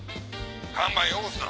看板汚すな！